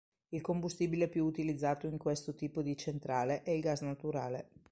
Il combustibile più utilizzato in questo tipo di centrale è il gas naturale.